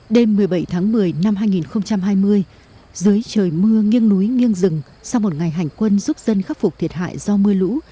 đêm một mươi bảy tháng một mươi năm hai nghìn hai mươi dưới trời mưa nghiêng núi nghiêng rừng sau một ngày hành quân giúp dân khắc phục thiệt hại do mưa lũ